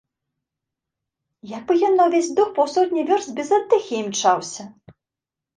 Як бы ён на ўвесь дух паўсотні вёрст без аддыхі імчаўся?